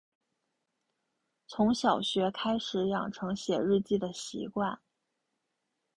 从小学开始养成写日记的习惯